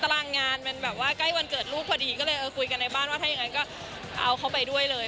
รางงานมันแบบว่าใกล้วันเกิดลูกพอดีก็เลยเออคุยกันในบ้านว่าถ้าอย่างนั้นก็เอาเขาไปด้วยเลย